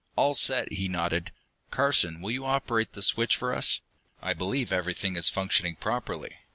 "All set," he nodded. "Carson, will you operate the switch for us? I believe everything is functioning properly."